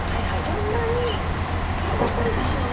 こんなに⁉プロっぽいですよね。